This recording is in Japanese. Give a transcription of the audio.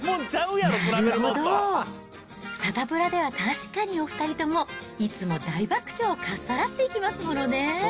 なるほど、サタプラでは確かに、お２人とも、いつも大爆笑をかっさらっていきますもんね。